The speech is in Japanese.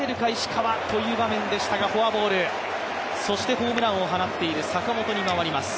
ホームランを放っている坂本に回ります。